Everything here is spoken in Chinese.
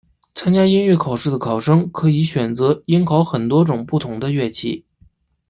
参加音乐考试的考生可以选择应考很多种不同的乐器。